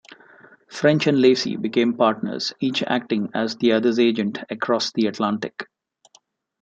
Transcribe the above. French and Lacy became partners, each acting as the other's agent across the Atlantic.